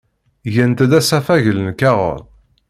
Gant-d asafag n lkaɣeḍ.